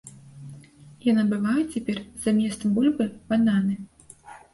Я набываю цяпер замест бульбы бананы!